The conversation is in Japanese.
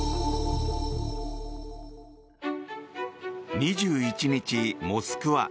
２１日、モスクワ。